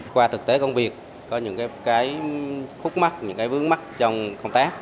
qua thực tế công việc có những cái khúc mắt những cái vướng mắt trong công tác